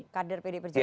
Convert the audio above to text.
kader pd perjuangan